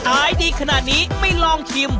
ขายดีขนาดนี้ไม่ลองชิม